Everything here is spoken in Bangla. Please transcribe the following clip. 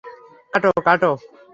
কাটো, কাটো।